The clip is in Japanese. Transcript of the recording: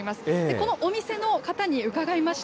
このお店の方に伺いました。